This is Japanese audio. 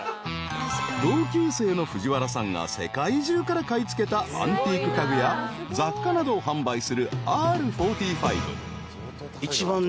［同級生の藤原さんが世界中から買い付けたアンティーク家具や雑貨などを販売する］